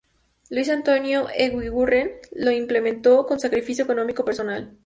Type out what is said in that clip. Luis Antonio Eguiguren lo implementó con sacrificio económico personal.